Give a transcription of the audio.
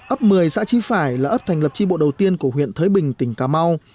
ấp một mươi xã trí phải là ấp thành lập tri bộ đầu tiên của huyện thới bình tỉnh cà mau